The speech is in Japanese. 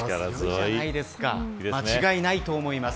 間違いないと思います。